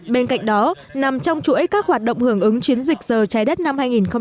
bên cạnh đó nằm trong chuỗi các hoạt động hưởng ứng chiến dịch giờ trái đất năm hai nghìn một mươi chín